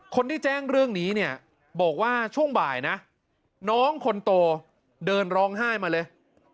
คนที่แจ้งเรื่องนี้เนี่ยบอกว่าช่วงบ่ายนะน้องคนโตเดินร้องไห้มาเลย